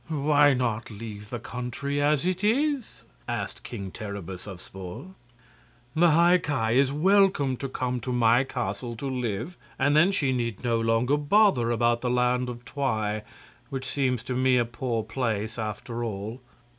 "Why not leave the country as it is?" asked King Terribus of Spor. "The High Ki is welcome to come to my castle to live, and then she need no longer bother about the Land of Twi, which seems to me a poor place, after all."